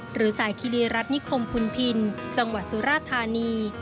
หรือสายคิริรัฐนิคมคุณพินจังหวัดสุราธานี